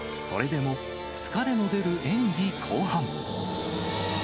それでも、疲れの出る演技後半。